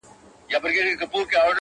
زلفي يې زما پر سر سايه جوړوي.